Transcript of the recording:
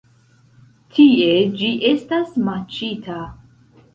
Tie ĝi estas maĉita.